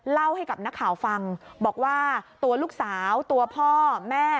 เล่าให้กับนักข่าวฟังบอกว่าตัวลูกสาวตัวพ่อแม่